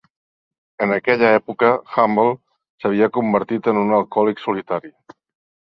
En aquella època Humble s'havia convertit en un alcohòlic solitari.